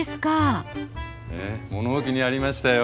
えっ物置にありましたよ。